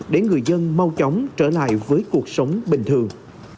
để người dân mau chóng trở lại với cuộc sống bình thường